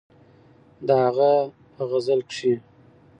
د هغه په غزل کښې